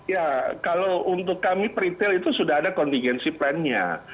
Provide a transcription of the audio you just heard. ya kalau untuk kami peritel itu sudah ada kontingensi plannya